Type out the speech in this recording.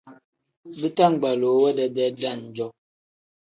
Bitangbaluu we dedee dam-jo.